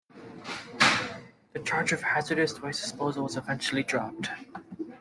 The charge of hazardous waste disposal was eventually dropped.